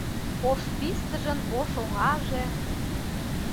Ош пистыжын ош оҥаже.